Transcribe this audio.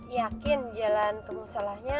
yakin jalan kemusalahannya